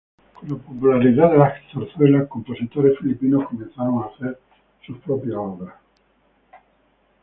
Con la popularidad de las zarzuelas, compositores filipinos comenzaron a hacer sus propias obras.